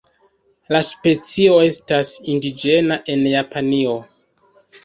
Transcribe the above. La specio estas indiĝena en Japanio.